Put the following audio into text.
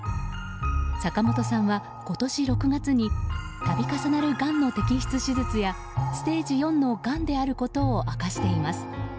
坂本さんは今年６月に度重なるがんの摘出手術やステージ４のがんであることを明かしています。